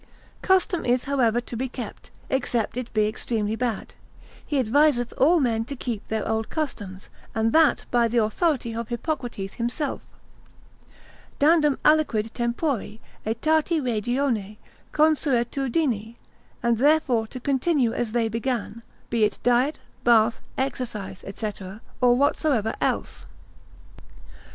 Custom is howsoever to be kept, except it be extremely bad: he adviseth all men to keep their old customs, and that by the authority of Hippocrates himself, Dandum aliquid tempori, aetati regioni, consuetudini, and therefore to continue as they began, be it diet, bath, exercise, &c., or whatsoever else.